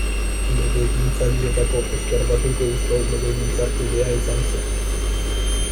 Legegintzaldietako Ezker Batuko eusko legebiltzarkidea izan zen.